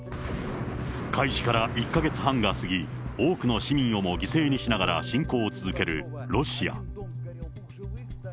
開始から１か月半が過ぎ、多くの市民をも犠牲にしながら侵攻を続けるロシア。